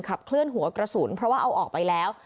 ขับเคลื่อนหัวกระสุนเพราะว่าเอาออกไปแล้ว